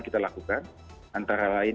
kita lakukan antara lain